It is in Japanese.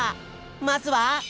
まずは。